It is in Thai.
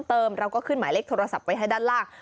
ถ้าคุณเพิ่มเติมเราก็ขึ้นหมายเลขโทรศัพท์ไว้ให้ด้านล่าง